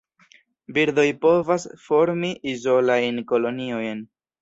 Birdoj povas formi izolajn koloniojn.